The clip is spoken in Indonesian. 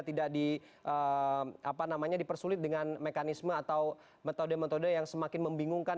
tidak di apa namanya dipersulit dengan mekanisme atau metode metode yang semakin membingungkan